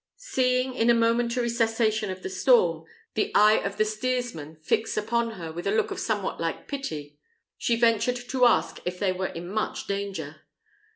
Seeing, in a momentary cessation of the storm, the eye of the steersman fix upon her with a look of somewhat like pity, she ventured to ask if they were in much danger.